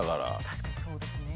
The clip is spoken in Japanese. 確かにそうですね。